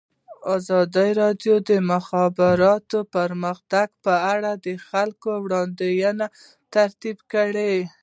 ازادي راډیو د د مخابراتو پرمختګ په اړه د خلکو وړاندیزونه ترتیب کړي.